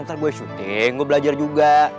ntar gue syuting gue belajar juga